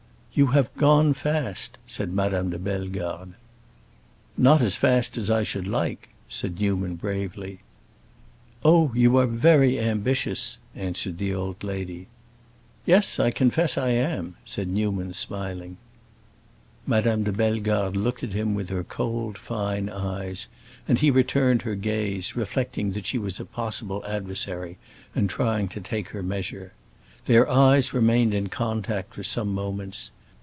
"You have gone fast," said Madame de Bellegarde. "Not so fast as I should like," said Newman, bravely. "Oh, you are very ambitious," answered the old lady. "Yes, I confess I am," said Newman, smiling. Madame de Bellegarde looked at him with her cold fine eyes, and he returned her gaze, reflecting that she was a possible adversary and trying to take her measure. Their eyes remained in contact for some moments.